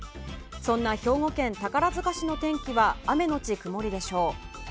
そんな兵庫県宝塚市の天気は雨のち曇りでしょう。